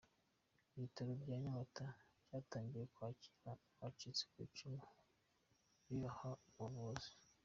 Ibitaro bya Nyamata byatangiye kwakira abacitse ku icumu bibaha ubuvuzi.